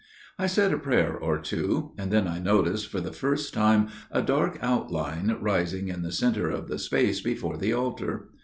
"I said a prayer or two, and then I noticed for the first time a dark outline rising in the centre of the space before the altar.